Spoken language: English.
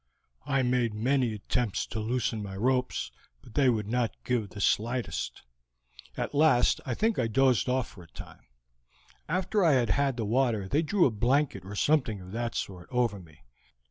I made many attempts to loosen my ropes, but they would not give the slightest. At last I think I dozed off for a time. After I had had the water they drew a blanket or something of that sort over me.